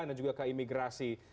dan juga ke imigrasi